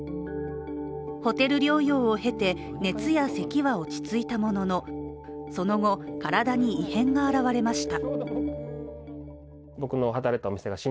ホテル療養を経て熱やせきは落ち着いたものの、その後、体に異変が表れました。